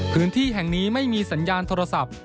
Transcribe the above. พื้นที่แห่งนี้ไม่มีสัญญาณโทรศัพท์